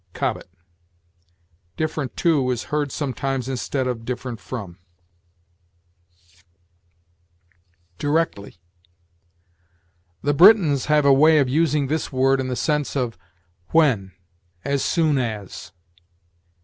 Cobbett. Different to is heard sometimes instead of different from. DIRECTLY. The Britons have a way of using this word in the sense of when, as soon as.